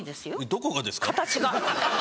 どこがですか？